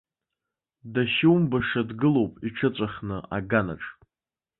Дахьумбаша дгылоуп, иҽыҵәахны, аганаҿ.